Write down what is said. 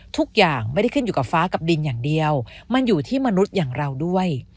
ทุกอย่างไม่ได้ขึ้นอยู่กับฟ้ากับดินอย่างเดียวมันอยู่ที่มนุษย์อย่างเราด้วย